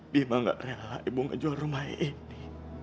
bima tidak rela ibu menjual rumah ini